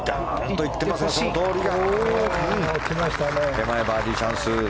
手前バーディーチャンス。